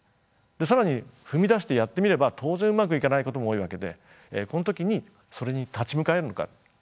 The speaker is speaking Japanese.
更に踏みだしてやってみれば当然うまくいかないことも多いわけでこの時にそれに立ち向かえるのか。